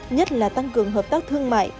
nhất là tăng cường hợp tác thương mại